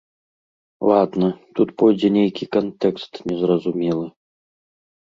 Ладна, тут пойдзе нейкі кантэкст незразумелы.